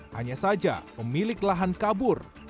hanya saja pemilik lahan kabur